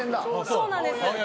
「そうなんです」